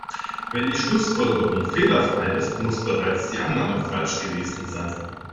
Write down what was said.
Wenn die Schlussfolgerung fehlerfrei ist, muss bereits die Annahme falsch gewesen sein.